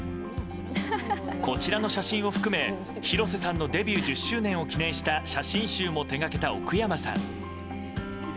こちらの写真を含め、広瀬さんのデビュー１０周年を記念した写真集も手がけた奥山さん。